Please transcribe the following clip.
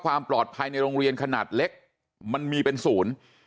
ความปลอดภัยในโรงเรียนขนาดเล็กมันมีเป็นศูนย์